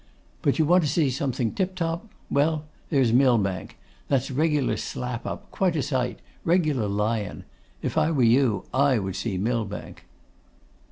But you want to see something tip top. Well, there's Millbank; that's regular slap up, quite a sight, regular lion; if I were you I would see Millbank.